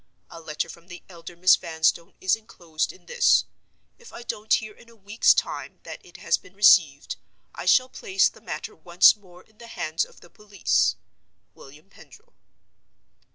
A letter from the elder Miss Vanstone is inclosed in this. If I don't hear in a week's time that it has been received, I shall place the matter once more in the hands of the police.—WILLIAM PENDRIL."